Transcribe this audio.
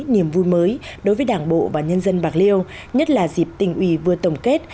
niềm vui mới đối với đảng bộ và nhân dân bạc liêu nhất là dịp tỉnh ủy vừa tổng kết